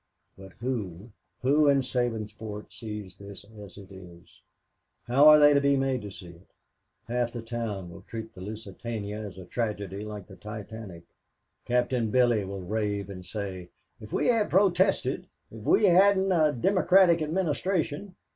"But who, who in Sabinsport sees this as it is? How are they to be made to see it? Half the town will treat the Lusitania as a tragedy like the Titanic. Captain Billy will rave and say, 'If we had protested if we hadn't a Democratic administration.'